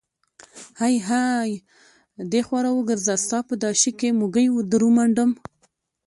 های های دې خوا راوګرزه، ستا په دا شي کې موږی در ومنډم.